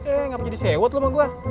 eh gapernah jadi sewot lu sama gua